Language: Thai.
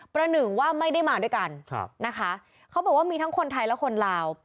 หนึ่งว่าไม่ได้มาด้วยกันนะคะเขาบอกว่ามีทั้งคนไทยและคนลาว